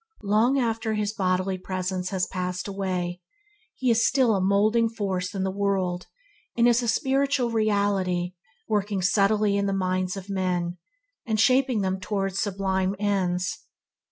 Long after his bodily presence has passed away, he is still a moulding force in the world and is a spiritual reality working subtly in the minds of men, and shaping them towards sublime ends.